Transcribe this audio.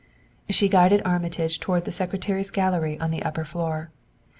She guided Armitage toward the Secretary's gallery on an upper floor.